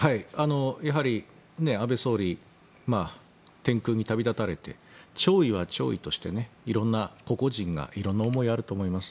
やはり、安倍総理天空に旅立たれて弔意は弔意として色々、個々人が色々な思いがあると思います。